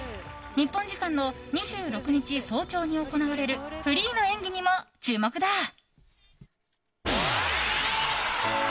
日本時間の２６日早朝に行われるフリーの演技にも注目だ。